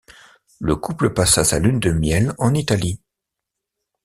Le couple passa sa lune de miel en Italie.